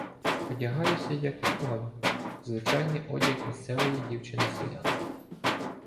Одягаюся, як і Оля, в звичайний одяг місцевої дівчини-селянки.